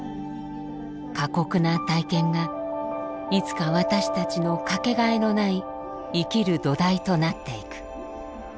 過酷な体験がいつか私たちの掛けがえのない「生きる土台」となっていく。